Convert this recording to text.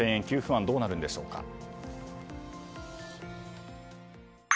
給付案はどうなるんでしょうか。